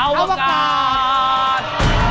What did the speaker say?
เอาอวการ